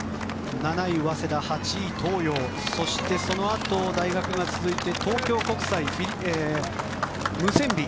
７位、早稲田８位、東洋そしてそのあと大学が続いて東京国際、ムセンビ。